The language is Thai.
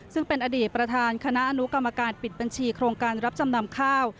ซึ่งเป็นอดีตประธานคณะอนุกรรมการปิดบัญชีโครงการรับจำนำข้าว